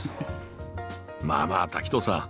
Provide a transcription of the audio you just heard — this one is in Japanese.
まあまあ滝藤さん。